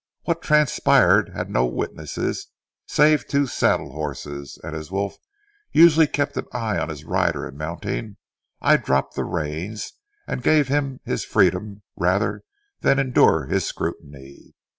What transpired has no witnesses save two saddle horses, and as Wolf usually kept an eye on his rider in mounting, I dropped the reins and gave him his freedom rather than endure his scrutiny.